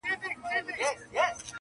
پرېږده دا کیسه اوس د اورنګ خبري نه کوو-